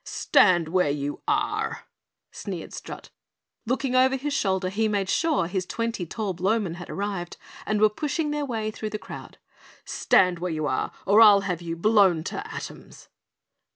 "Stand where you are!" sneered Strut. Looking over his shoulder he made sure his twenty, tall Blowmen had arrived and were pushing their way through the crowd. "Stand where you are or I'll have you blown to atoms!"